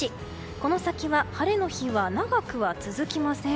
この先は晴れの日は長くは続きません。